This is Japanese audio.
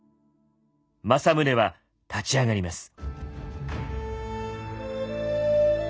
政宗は立ち上がります。